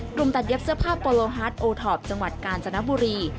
ตัดเย็บเสื้อผ้าโปโลฮาร์ดโอทอปจังหวัดกาญจนบุรี